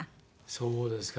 そうですか。